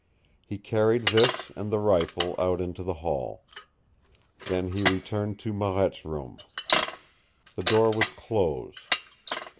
He carried this and the rifle out into the hall. Then he returned to Marette's room. The door was closed.